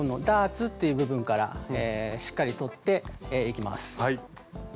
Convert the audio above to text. ダーツっていう部分からしっかりとっていきます。